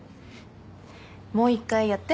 もう一回やって。